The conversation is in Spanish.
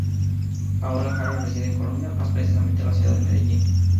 Paola Jara reside en Colombia, más precisamente en la ciudad de Medellín.